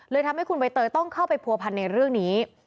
ทำให้คุณใบเตยต้องเข้าไปผัวพันในเรื่องนี้